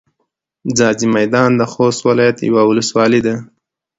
ځاځي میدان د خوست ولایت یوه ولسوالي ده.